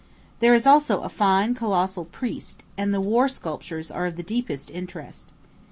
There is also a fine colossal priest, and the war sculptures are of the deepest interest.